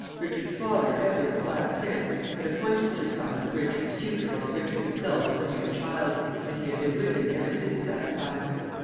Richard's father, Edward, the Black Prince, had appointed Sir Simon Richard's tutor while Richard himself was a mere child, and he had been with him ever since that time.